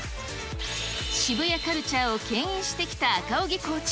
渋谷カルチャーをけん引してきた赤荻校長。